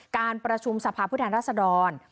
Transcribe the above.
การประชุมสภาพุทธแห่งราษฎร